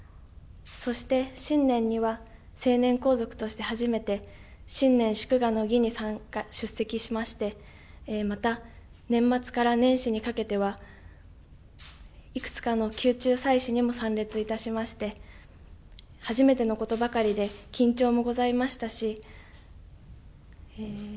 そして新年には成年皇族として初めて新年祝賀の儀に出席しましてまた、年末から年始にかけてはいくつかの宮中祭祀にも参列いたしまして初めてのことばかりで緊張もございましたし